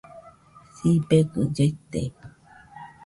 Sibegɨ llaite